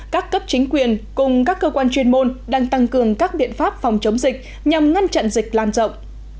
các cấp chính quyền cùng các cơ quan chuyên môn đang tăng cường các biện pháp phòng chống dịch nhằm ngăn chặn dịch lan rộng